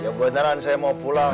ya kebenaran saya mau pulang